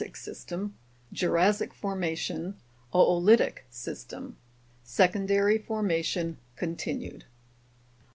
Lias, or Lia'ssic System Jura'ssic Formation O'olilic System. (Secondary Formation Continued.)